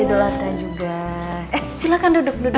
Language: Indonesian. eh silahkan duduk duduk